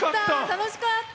楽しかった！